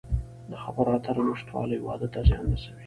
د خبرو اترو نشتوالی واده ته زیان رسوي.